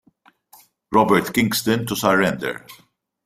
Robert Kingston to surrender.